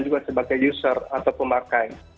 juga sebagai user atau pemakai